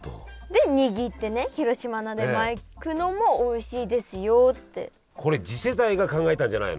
で握ってね広島菜で巻くのもおいしいですよって。